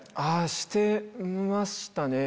してましたね。